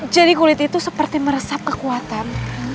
jadi kulit itu seperti meresap kekuatan